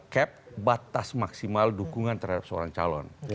cap batas maksimal dukungan terhadap seorang calon